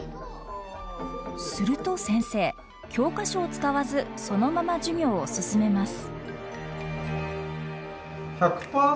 すると先生教科書を使わずそのまま授業を進めます。